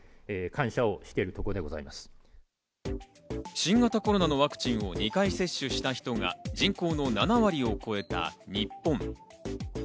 新型コロナのワクチンを２回接種した人は人口の７割を超えた日本。